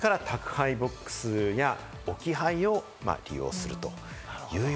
それから宅配ＢＯＸや置き配を利用する。